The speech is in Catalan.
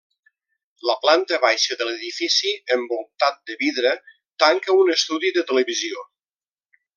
La planta baixa de l'edifici, envoltat de vidre, tanca un estudi de televisió.